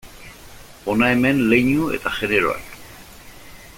Hona hemen leinu eta generoak.